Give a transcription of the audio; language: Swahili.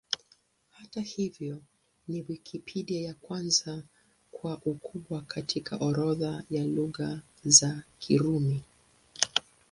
Hata hivyo, ni Wikipedia ya kwanza kwa ukubwa katika orodha ya Lugha za Kirumi.